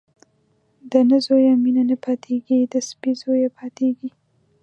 د نه زويه مينه نه پاتېږي ، د سپي زويه پاتېږي.